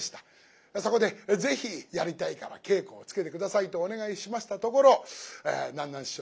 そこでぜひやりたいから稽古をつけて下さいとお願いしましたところ南なん師匠